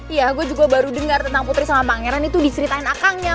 ya gue juga baru denger tentang putri sama pangeran itu diceritain akan aku